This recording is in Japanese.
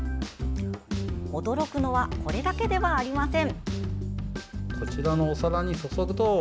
驚くのはこれだけではありません。